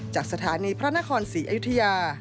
จากสถานีพระนครศรีอยุธยา